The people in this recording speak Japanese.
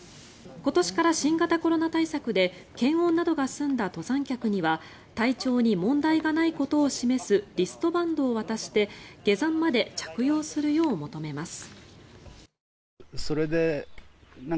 今年から新型コロナ対策で検温などが済んだ登山客には体調に問題がないことを示すリストバンドを渡して下山まで着用するよう求めます。